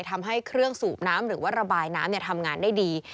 ทำให้เครื่องสูบน้ำหรือว่าระบายน้ำทำงานได้ดี